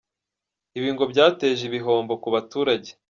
Ibi ngo byateje ibihombo ku baturage.